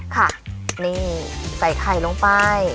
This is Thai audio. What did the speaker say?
ค่ะนี่ใส่ไข่ลงไป